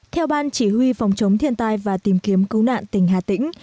theo ban chỉ huy phòng chống thiên tai và tìm kiếm cứu nạn tỉnh hà tĩnh